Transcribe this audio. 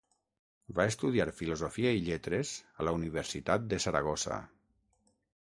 Va estudiar Filosofia i Lletres a la Universitat de Saragossa.